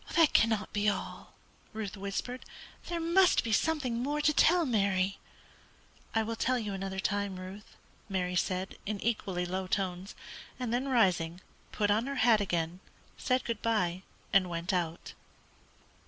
"That cannot be all," Ruth whispered; "there must be something more to tell, Mary." "I will tell you another time, Ruth," Mary said, in equally low tones, and then rising, put on her hat again, said good bye, and went out.